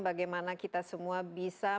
bagaimana kita semua bisa